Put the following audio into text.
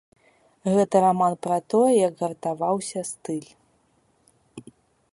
Гэта раман пра тое, як гартаваўся стыль.